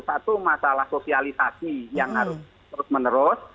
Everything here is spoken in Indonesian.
satu masalah sosialisasi yang harus terus menerus